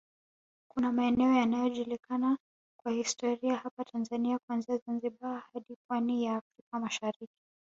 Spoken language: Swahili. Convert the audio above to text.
Kuna maeneo yanajulikana kwa historia hapa Tanzania kuanzia Zanzibar hadi pwani ya Afrka Mashariki